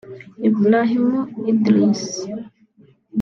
Ibrahim Idris